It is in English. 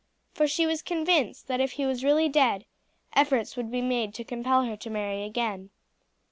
For she was convinced that if he was really dead, efforts would be made to compel her to marry again.